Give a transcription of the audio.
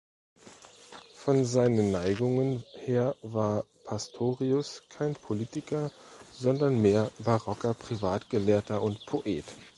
Von seinen Neigungen her war Pastorius kein Politiker, sondern mehr barocker Privatgelehrter und Poet.